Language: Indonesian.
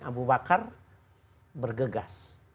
abu bakar bergegas